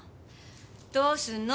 どうすんの？